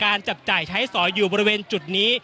อย่างที่บอกไปว่าเรายังยึดในเรื่องของข้อ